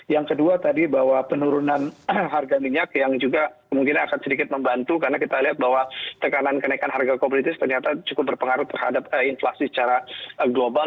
yang kedua tadi bahwa penurunan harga minyak yang juga kemungkinan akan sedikit membantu karena kita lihat bahwa tekanan kenaikan harga komoditis ternyata cukup berpengaruh terhadap inflasi secara global